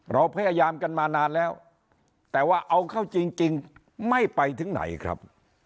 เราพยายามกันมานานแล้วแต่ว่าเอาเข้าจริงไม่ไปถึงไหนครับ